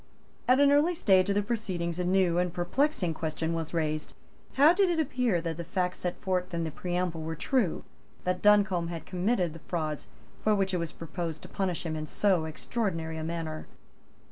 At an early stage of the proceedings a new and perplexing question was raised. How did it appear that the facts set forth in the preamble were true, that Duncombe had committed the frauds for which it was proposed to punish him in so extraordinary a manner?